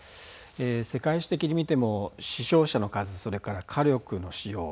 世界史的に見ても死傷者の数それから火力の使用